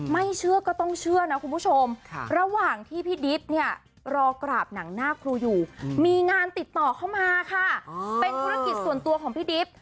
ไม่เชื่อก็ต้องเชื่อนะคุณผู้ชมระหว่างที่พี่ดิบเนี่ยรอกราบหนังหน้าครูอยู่มีงานติดต่อเข้ามาค่ะเป็นธุรกิจส่วนตัวของพี่ดิบ